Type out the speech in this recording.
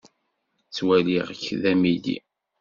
Ttwaliɣ-k d amidi.